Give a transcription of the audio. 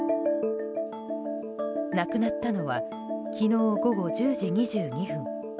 亡くなったのは昨日午後１０時２２分。